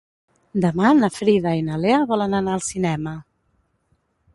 Demà na Frida i na Lea volen anar al cinema.